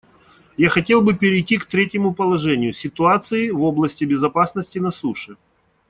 Я хотел бы перейти к третьему положению — ситуации в области безопасности на суше.